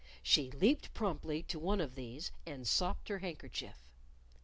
(She leaped promptly to one of these and sopped her handkerchief.)